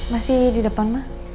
masih di depan mah